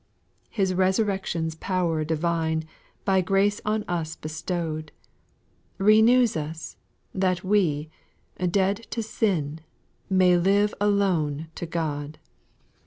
6. His resurrection's power divine, By grace on us bestowed^ 180 SPIRITUAL SONGS, Renews us, that we, dead to sin, May live alone to God.